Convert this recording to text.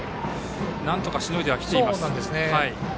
なんとかしのいできています。